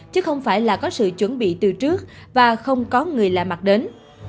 chứ không phải là có sự chuẩn bị từ trước và không có người lạ mặt đến